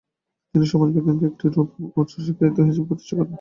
তিনি সমাজবিজ্ঞানকে একটি রৌপ উচ্চশিক্ষায়তনিক বিষয় হিসেবে প্রতিষ্ঠা করেন।